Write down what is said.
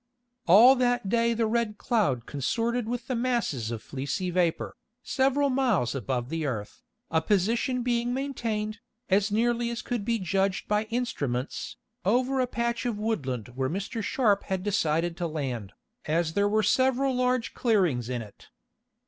All that day the Red Cloud consorted with the masses of fleecy vapor, several miles above the earth, a position being maintained, as nearly as could be judged by instruments, over a patch of woodland where Mr. Sharp had decided to land, as there were several large clearings in it.